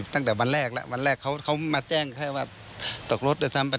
ตั้งแต่วันแรกเขามาแจ้งให้ว่าตกรถด้วยซ้ำไป